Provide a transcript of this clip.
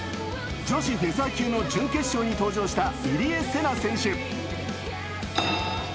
女子フェザー級の準決勝に登場した入江聖奈選手。